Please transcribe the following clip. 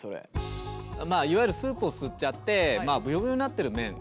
まあいわゆるスープを吸っちゃってぶよぶよになってる麺。